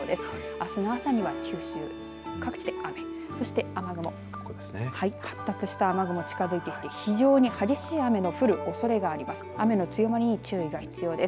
あすの朝には九州各地で雨、そして雨雲発達した雨雲が近づいてきて非常に激しい雨の降るおそれがあります。